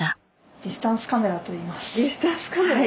ディスタンス・カメラといいます。